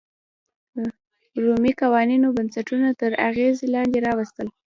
رومي قوانینو بنسټونه تر اغېز لاندې راوستل.